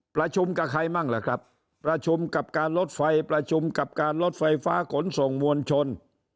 ประชุมกับใครมั่งล่ะครับประชุมกับการลดไฟประชุมกับการลดไฟฟ้าขนส่งมวลชน